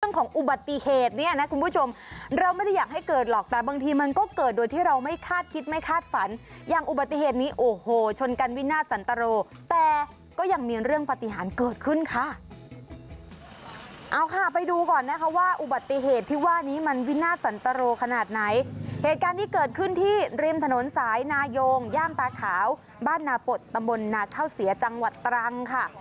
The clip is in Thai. อุบัติเหตุเนี่ยนะคุณผู้ชมเราไม่ได้อยากให้เกิดหรอกแต่บางทีมันก็เกิดโดยที่เราไม่คาดคิดไม่คาดฝันอย่างอุบัติเหตุนี้โอ้โหชนกันวินาทสันตรโรแต่ก็ยังมีเรื่องปฏิหารเกิดขึ้นค่ะเอาค่ะไปดูก่อนนะคะว่าอุบัติเหตุที่ว่านี้มันวินาทสันตรโรขนาดไหนเหตุการณ์ที่เกิดขึ้นที่ริมถนนสายนายงย่านตาขาวบ้านนาปดตำบลนาข้าวเสียจังหวัดตรังค่ะ